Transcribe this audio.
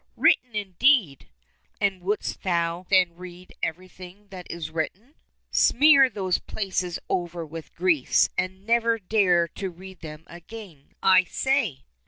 —" Written, indeed ! And wouldst thou then read everything that is written } Smear those places over with grease, and never dare to read them again, I say